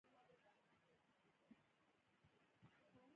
کله چې یوه ماده په بله ماده کې حل شي محلول جوړوي.